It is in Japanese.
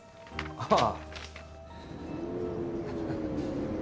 ああ。